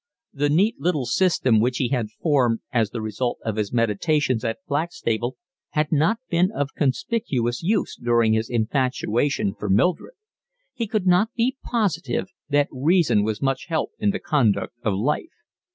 The neat little system which he had formed as the result of his meditations at Blackstable had not been of conspicuous use during his infatuation for Mildred. He could not be positive that reason was much help in the conduct of life.